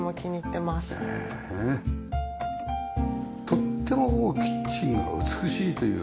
とってもキッチンが美しいというか。